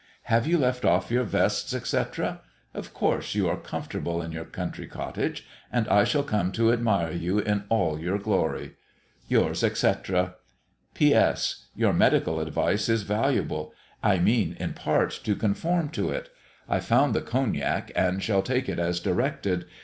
Have you left off your vests, etc.? Of course you are comfortable in your country cottage, and I shall come to admire you in all your glory. Yours, etc. P.S. Your medical advice is valuable; I mean, in part, to conform to it. I found the Cognac, and shall take it as directed.